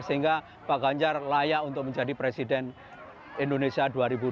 sehingga pak ganjar layak untuk menjadi presiden indonesia dua ribu dua puluh